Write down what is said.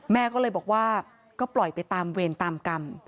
แม่ก็เลยบอกว่าก็ปล่อยไปตามเวรตามกรรม